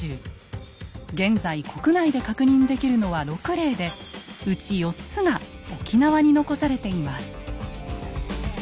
現在国内で確認できるのは６例でうち４つが沖縄に残されています。